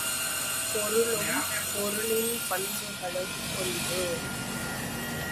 பொருளும் பொருளின் பண்புகளும் ஒன்று.